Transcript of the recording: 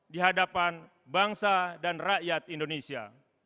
di hadapan bangsa dan rakyat indonesia